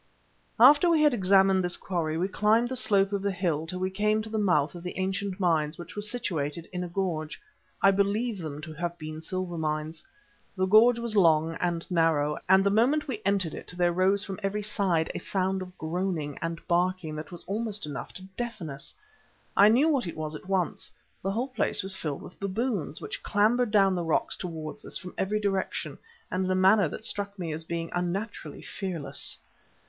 After we had examined this quarry we climbed the slope of the hill till we came to the mouth of the ancient mines which were situated in a gorge. I believe them to have been silver mines. The gorge was long and narrow, and the moment we entered it there rose from every side a sound of groaning and barking that was almost enough to deafen us. I knew what it was at once: the whole place was filled with baboons, which clambered down the rocks towards us from every direction, and in a manner that struck me as being unnaturally fearless.